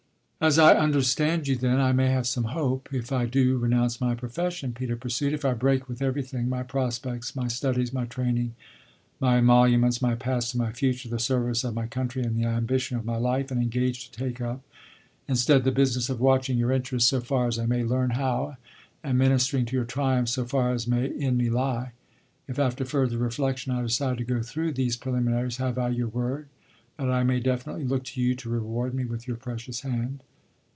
"As I understand you, then, I may have some hope if I do renounce my profession?" Peter pursued. "If I break with everything, my prospects, my studies, my training, my emoluments, my past and my future, the service of my country and the ambition of my life, and engage to take up instead the business of watching your interests so far as I may learn how and ministering to your triumphs so far as may in me lie if after further reflexion I decide to go through these preliminaries, have I your word that I may definitely look to you to reward me with your precious hand?"